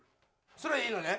それでいいのね？